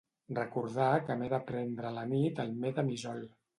Recordar que m'he de prendre a la nit el metamizol.